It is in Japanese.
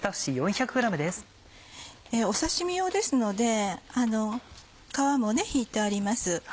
刺し身用ですので皮も引いてあります。